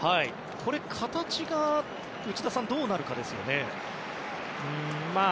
形が内田さんどうなるかですね。